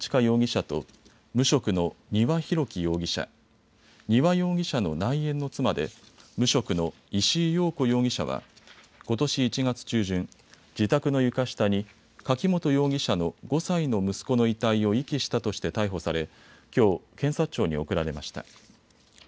容疑者と無職の丹羽洋樹容疑者、丹羽容疑者の内縁の妻で無職の石井陽子容疑者はことし１月中旬、住宅の床下に柿本容疑者の５歳の息子の遺体を遺棄したとして逮捕されきょう、検察庁に送られました。